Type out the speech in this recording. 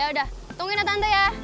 ya udah tungguin a tante ya